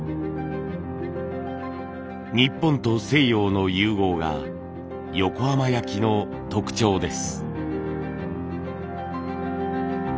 日本と西洋の融合が横浜焼の特徴です。